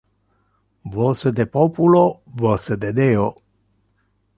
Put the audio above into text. Voce de populo, voce de Deo.